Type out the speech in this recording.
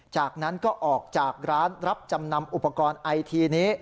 จากนั้นก็ออกจากร้านรับจำนำอุปกรณ์ไอทีนี้